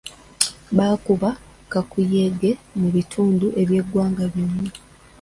Baakuba kakuyege mu bitundu by'eggwanga byonna.